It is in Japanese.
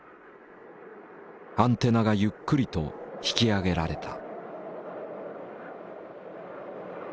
アンテナがゆっくりと引き上げられた。